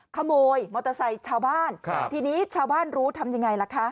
ขโมยมอเตอร์ไซค์ชาวบ้านครับทีนี้ชาวบ้านรู้ทำยังไงล่ะคะ